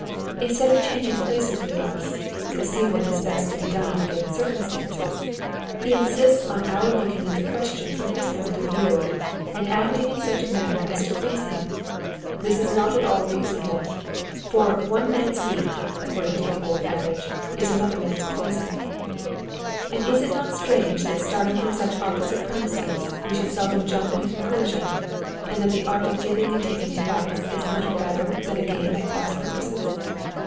Instead of changing places with us (to see what is best to be done in the given circumstances), he insists on our looking at the question from his point of view, and acting in such a manner as to please him. This is not at all reasonable ; for one mans meat, according to the old adage, is another mans poison. And it is not strange, that starting from such opposite premises, we should seldom junfp in a conclusion, and that the art of giving arid taking advice is little better than a game at cross purposes.